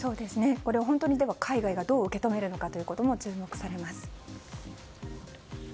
本当に海外がどう受け止めるのかということも注目されます。